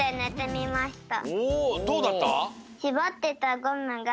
おおどうだった？